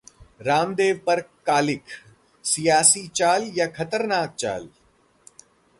रामदेव पर कालिख: सियासी चाल या खतरनाक चाल!